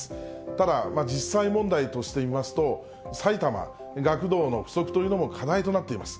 ただ、実際問題として見ますと、埼玉、学童の不足というのも課題となっています。